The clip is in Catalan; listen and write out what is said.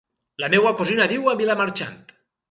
La meva cosina viu a Vilamarxant.